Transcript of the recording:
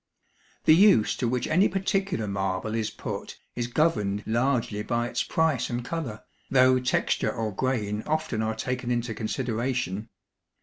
The use to which any particular marble is put is governed largely by its price and color, though texture or grain often are taken into consideration.